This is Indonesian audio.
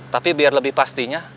tapi biar lebih pastinya